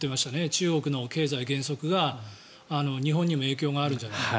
中国の経済減速が日本にも影響があるんじゃないか。